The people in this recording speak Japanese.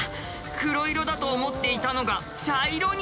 黒色だと思っていたのが茶色に！